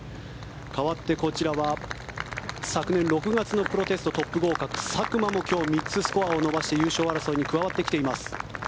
かわってこちらは昨年６月のプロテストトップ合格佐久間も今日３つスコアを伸ばして優勝争いに加わってきています。